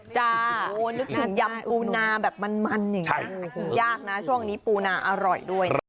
นึกถึงยำปูนาแบบมันอย่างนี้หากินยากนะช่วงนี้ปูนาอร่อยด้วย